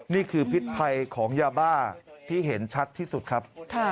พิษภัยของยาบ้าที่เห็นชัดที่สุดครับ